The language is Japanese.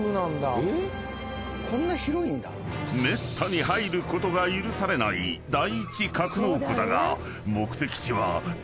［めったに入ることが許されない第１格納庫だが］